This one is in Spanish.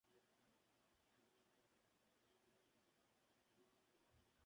Las pinturas murales que cubren las bóvedas fueron realizadas por Zacarías González Velázquez.